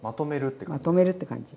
まとめるって感じ。